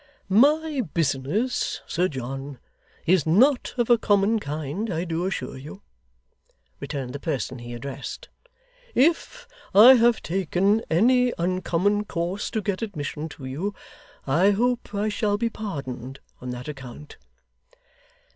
'My business, Sir John, is not of a common kind, I do assure you,' returned the person he addressed. 'If I have taken any uncommon course to get admission to you, I hope I shall be pardoned on that account.